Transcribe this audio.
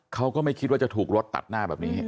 เขาก็ไม่คิดว่าจะถูกรถตัดหน้าแบบนี้